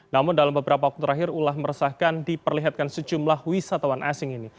namun dalam beberapa waktu terakhir ulah meresahkan diperlihatkan sejumlah wisatawan asing ini